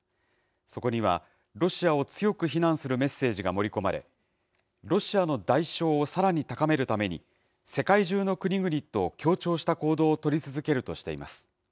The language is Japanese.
そこには、ロシアを強く非難するメッセージが盛り込まれ、ロシアの代償をさらに高めるために、世界中の国々と協調した行動を取り続けるとしています。